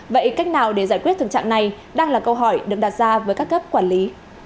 vậy cách nào để giải quyết thực trạng này đang là câu hỏi được đặt ra với các cấp quản lý